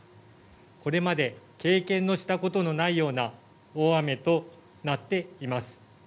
これまで経験のしたことのないような大雨となっています。